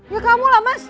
ya kamu lah mas